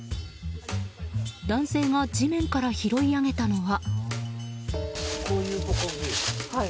男性が地面から拾い上げたのは。